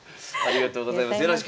ありがとうございます。